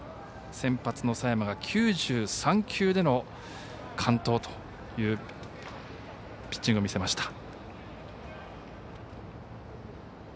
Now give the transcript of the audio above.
先発の佐山が９３球での完投というピッチングを見せました。